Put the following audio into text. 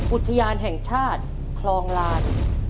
อุทยานแห่งชาติคลองลาน